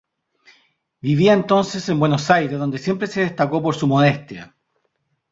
Vivía entonces en Buenos Aires donde siempre se destacó por su modestia.